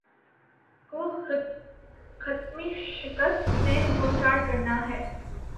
کو حتمی شکست سے دوچار کرنا ہے۔